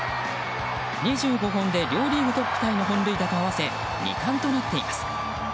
２５本で両リーグトップタイと合わせ２冠となっています。